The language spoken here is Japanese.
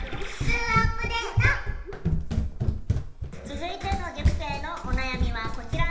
続いての塾生のお悩みはこちら。